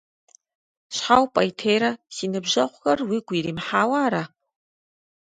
Щхьэ упӀейтейрэ, си ныбжьэгъухэр уигу иримыхьауэ ара?